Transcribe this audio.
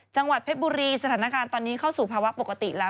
จังหวัดเพชรบุรีสถานการณ์ตอนนี้เข้าสู่ภาวะปกติแล้ว